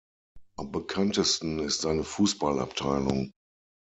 Am bekanntesten ist seine Fußballabteilung.